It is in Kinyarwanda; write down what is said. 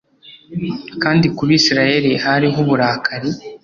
kandi ku Bisirayeli hariho uburakari